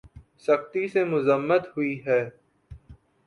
سختی سے مذمت ہوئی ہے